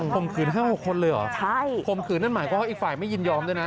มขืน๕๖คนเลยเหรอใช่ข่มขืนนั่นหมายความว่าอีกฝ่ายไม่ยินยอมด้วยนะ